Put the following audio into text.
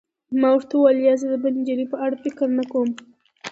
ما ورته وویل: نه، زه د بلې نجلۍ په اړه فکر نه کوم.